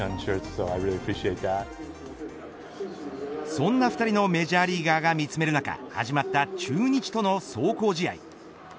そんな２人のメジャーリーガーが見つめる中始まった、中日との壮行試合。